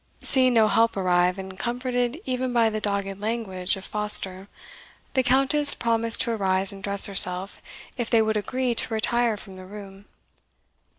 Seeing no help arrive, and comforted even by the dogged language of Foster, the Countess promised to arise and dress herself, if they would agree to retire from the room.